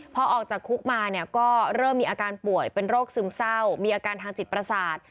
พอออกจากคุกมาเนี่ยก็เริ่มมีอาการป่วยเป็นโรคซึมเศร้ามีอาการทางจิตประสาท